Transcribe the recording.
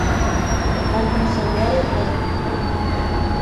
وطن مو سرلوړی کړئ.